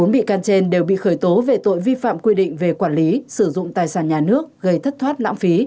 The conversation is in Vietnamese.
bốn bị can trên đều bị khởi tố về tội vi phạm quy định về quản lý sử dụng tài sản nhà nước gây thất thoát lãng phí